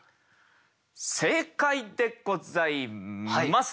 正解でございます。